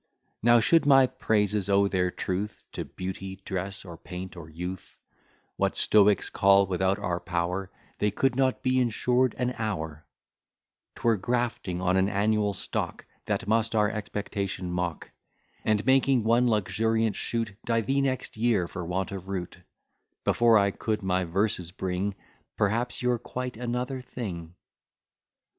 Now, should my praises owe their truth To beauty, dress, or paint, or youth, What stoics call without our power, They could not be ensured an hour; 'Twere grafting on an annual stock, That must our expectation mock, And, making one luxuriant shoot, Die the next year for want of root: Before I could my verses bring, Perhaps you're quite another thing.